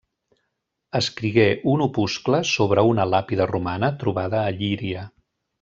Escrigué un opuscle sobre una làpida romana trobada a Llíria.